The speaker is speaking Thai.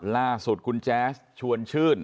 ล่าสุดคุณแจ๊สชวนชื่น